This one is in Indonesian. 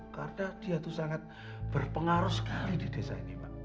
karena dia tuh sangat berpengaruh sekali di desa ini pak